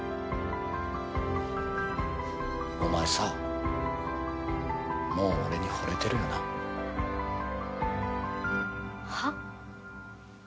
お前さもう俺にほれてるよなはっ？